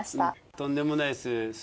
とんでもないです。